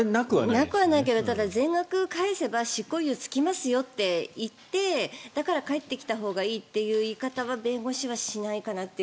なくはないけど全額返せば執行猶予つきますよと言ってだから帰ってくればいいという言い方は弁護士はしないかなと。